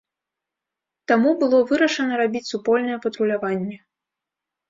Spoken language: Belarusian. Таму было вырашана рабіць супольнае патруляванне.